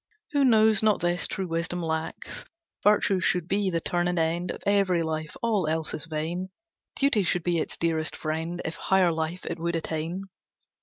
Who knows not this, true wisdom lacks, Virtue should be the turn and end Of every life, all else is vain, Duty should be its dearest friend If higher life, it would attain."